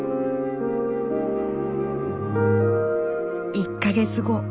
１か月後。